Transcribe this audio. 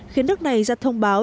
khiến nước này ra thông báo